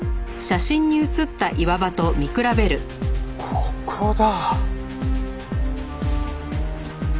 ここだ！